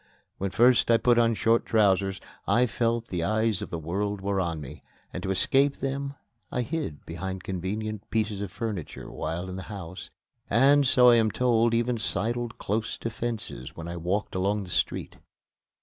When first I put on short trousers, I felt that the eyes of the world were on me; and to escape them I hid behind convenient pieces of furniture while in the house and, so I am told, even sidled close to fences when I walked along the street.